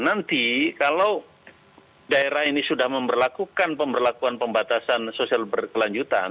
nanti kalau daerah ini sudah memperlakukan pemberlakuan pembatasan sosial berkelanjutan